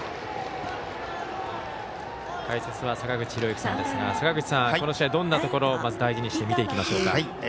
解説は坂口裕之さんですが坂口さん、この試合はどんなところを大事にして見ていきたいでしょうか。